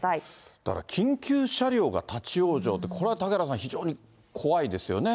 だから、緊急車両が立往生って、これは嵩原さん、非常に怖いですよね。